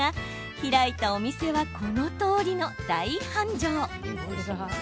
開いたお店はこのとおりの大繁盛。